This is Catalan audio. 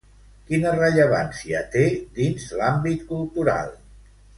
Quina rellevància té dins l'àmbit cultural?